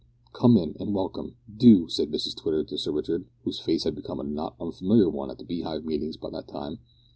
"Come in, and welcome, do," said Mrs Twitter to Sir Richard, whose face had become a not unfamiliar one at the Beehive meetings by that time.